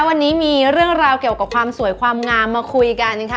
วันนี้มีเรื่องราวเกี่ยวกับความสวยความงามมาคุยกันค่ะ